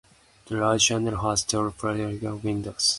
The large chancel has tall Perpendicular windows.